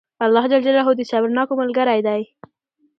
الله جل جلاله د صبرناکو ملګری دئ!